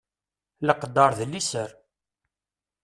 Leqder d liser.